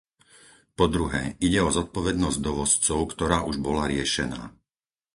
Po druhé, ide o zodpovednosť dovozcov, ktorá už bola riešená.